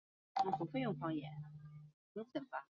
截基鸭绿乌头为毛茛科乌头属下的一个变种。